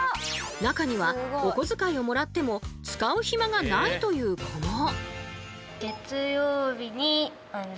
中にはおこづかいをもらっても使うヒマがないという子も。